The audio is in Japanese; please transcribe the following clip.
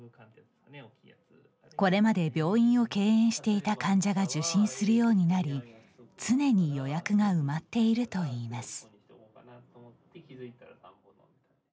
これまで病院を敬遠していた患者が受診するようになり常に予約が埋まっているといいます。